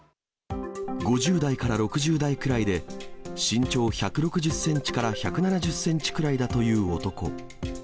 ５０代から６０代くらいで、身長１６０センチから１７０センチくらいだという男。